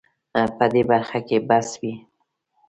په دې برخه کې بس وي